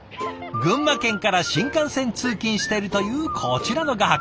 群馬県から新幹線通勤しているというこちらの画伯。